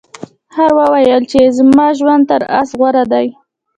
خر وویل چې زما ژوند تر اس غوره دی.